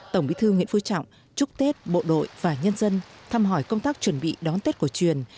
tổng bí thư nguyễn phú trọng chúc tết bộ đội và nhân dân thăm hỏi công tác chuẩn bị đón tết cổ truyền